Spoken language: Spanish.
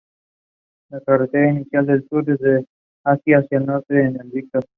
La carretera inicia en el sur desde la hacia el norte en la Victor.